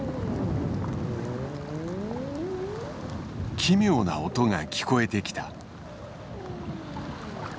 奇妙な音が聞こえてきた。